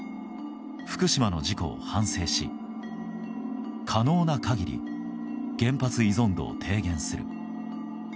福島の事故を反省し、可能な限り原発依存度を低減する。